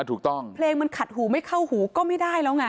ถูกต้องเพลงมันขัดหูไม่เข้าหูก็ไม่ได้แล้วไง